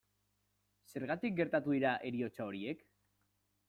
Zergatik gertatu dira heriotza horiek?